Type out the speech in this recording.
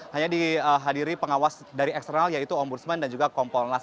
hanya dihadiri pengawas dari eksternal yaitu ombudsman dan juga kompolnas